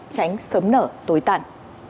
tránh sớm nở tối tàn